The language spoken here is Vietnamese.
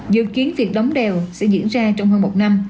dự kiến việc đóng đèo sẽ diễn ra trong hơn một năm